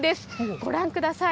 ご覧ください。